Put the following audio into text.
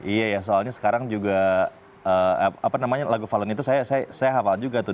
iya ya soalnya sekarang juga apa namanya lagu valen itu saya hafal juga tuh